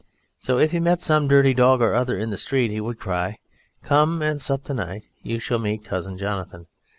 So if he met some dirty dog or other in the street he would cry, "Come and sup to night, you shall meet Cousin Jonathan!"